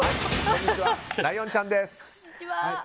ライオンちゃんです。